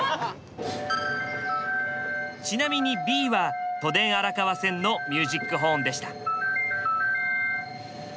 ちなみにＢは都電荒川線のミュージックホーンでした。